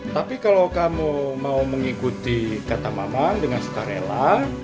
tapi kalau kamu mau mengikuti kata mamang dengan setara